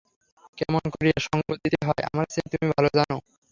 কেমন করিয়া সঙ্গ দিতে হয়, আমার চেয়ে তুমি ভালো জান।